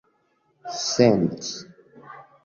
senti